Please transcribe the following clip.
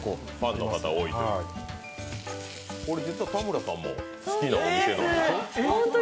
これ、実は田村さんも好きなお店だと。